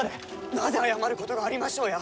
なぜ謝ることがありましょうや！